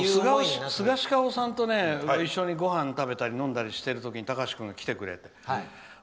スガシカオさんと一緒にごはん食べたり飲んだりしてる時に高橋君が来てくれて。